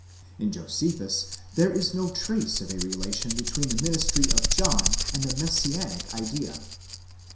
In Josephus, there is no trace of a relation between the ministry of John and the Messianic idea.